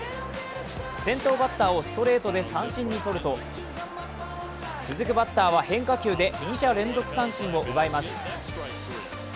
先頭バッターをストレートで三振にとると、続くバッターは変化球で２者連続三振を奪います。